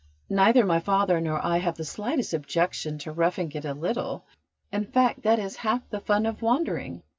"Neither my father nor I have the slightest objection to roughing it a little. In fact, that is half the fun of wandering."